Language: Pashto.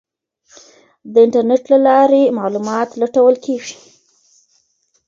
د انټرنیټ له لارې معلومات لټول کیږي.